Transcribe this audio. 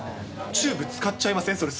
チューブ使っちゃいません？